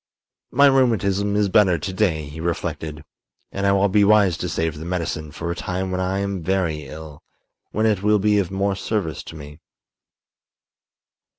"My rheumatism is better to day," he reflected, "and I will be wise to save the medicine for a time when I am very ill, when it will be of more service to me."